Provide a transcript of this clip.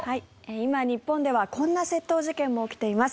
今日本ではこんな窃盗事件も起きています。